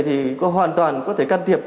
thì có hoàn toàn có thể can thiệp